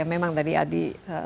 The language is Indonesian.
memang tadi adi